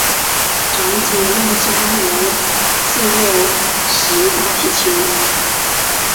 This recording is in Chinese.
长子廖嘉言自幼习大提琴。